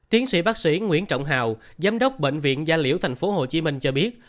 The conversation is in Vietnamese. tiến sĩ bác sĩ nguyễn trọng hào giám đốc bệnh viện gia liễu tp hcm cho biết